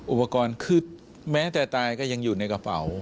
อุปกรณ์คือแม้แต่ตายก็ยังอยู่ในกระเป๋า